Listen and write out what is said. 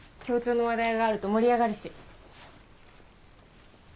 共通の話題があると盛り上がるし。